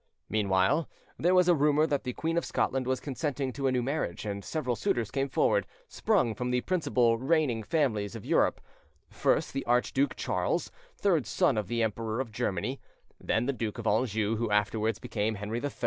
Meanwhile there was a rumour that the queen of Scotland was consenting to a new marriage, and several suitors came forward, sprung from the principal reigning families of Europe: first, the Archduke Charles, third son of the Emperor of Germany; then the Duke of Anjou, who afterwards became Henry III.